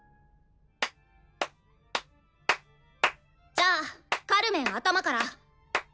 じゃあカルメン頭から。